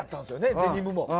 デニムも。